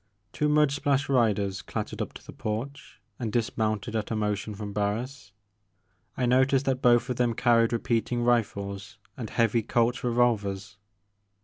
Two mud splashed riders clattered up to the porch and dismounted at a motion from Barris. I noticed that both of them carried repeating rifles and heavy Colt's revolvers.